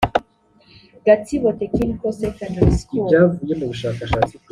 gatsibo technical secondary school